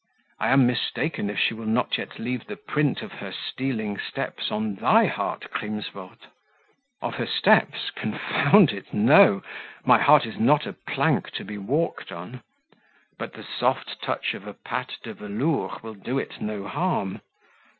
I am mistaken if she will not yet leave the print of her stealing steps on thy heart, Crimsworth." "Of her steps? Confound it, no! My heart is not a plank to be walked on." "But the soft touch of a patte de velours will do it no harm."